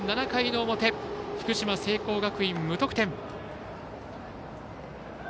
７回の表、福島・聖光学院無得点。